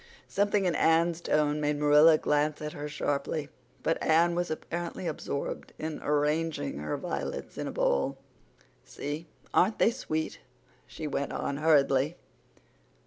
Something in Anne's tone made Marilla glance at her sharply, but Anne was apparently absorbed in arranging her violets in a bowl. "See, aren't they sweet?" she went on hurriedly.